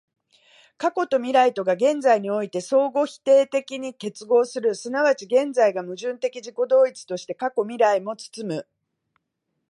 過去と未来とが現在において相互否定的に結合する、即ち現在が矛盾的自己同一として過去未来を包む、